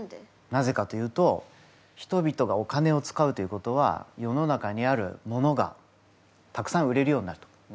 なぜかというと人々がお金を使うということは世の中にあるものがたくさん売れるようになると。